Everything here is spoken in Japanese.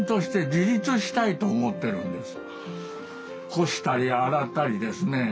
干したり洗ったりですね